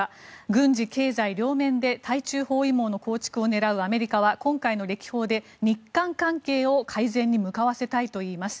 軍事・経済両面で対中包囲網の構築を狙うアメリカは今回の歴訪で日韓関係を改善に向かわせたいといいます。